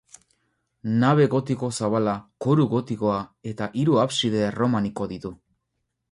Nabe gotiko zabala, koru gotikoa eta hiru abside erromaniko ditu.